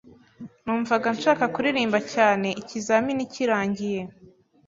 Numvaga nshaka kuririmba cyane ikizamini kirangiye.